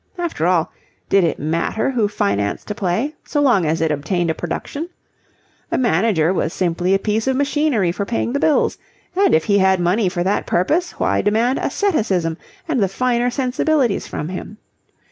After all, did it matter who financed a play so long as it obtained a production? A manager was simply a piece of machinery for paying the bills; and if he had money for that purpose, why demand asceticism and the finer sensibilities from him?